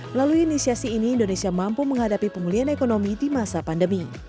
melalui inisiasi ini indonesia mampu menghadapi pemulihan ekonomi di masa pandemi